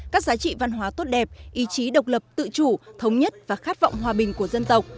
các giá trị văn hóa tốt đẹp ý chí độc lập tự chủ thống nhất và khát vọng hòa bình của dân tộc